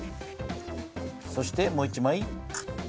そしてもう１枚。